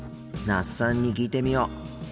那須さんに聞いてみよう。